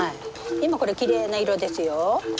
でもこれきれいな色ですよ。